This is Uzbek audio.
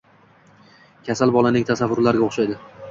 Kasal bolaning tasavvurlariga o’xshaydi.